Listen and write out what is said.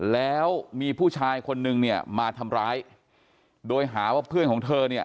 แล้วมีผู้ชายคนนึงเนี่ยมาทำร้ายโดยหาว่าเพื่อนของเธอเนี่ย